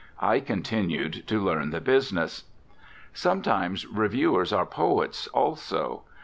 I continued to learn the business. Sometimes reviewers are poets also.